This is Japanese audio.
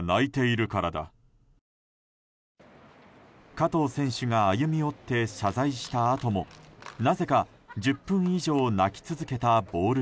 加藤選手が歩み寄って謝罪したあともなぜか１０分以上泣き続けたボール